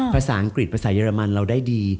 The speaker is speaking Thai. ภาษาอังกฤษภาษาเรมันเราได้ดี